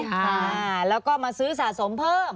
ค่ะแล้วก็มาซื้อสะสมเพิ่ม